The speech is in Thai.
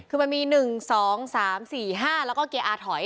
คือมันมีหนึ่งสองสามสี่ห้าแล้วก็เกียร์อาถอย